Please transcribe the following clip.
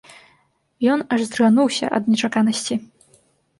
Ён аж здрыгануўся ад нечаканасці.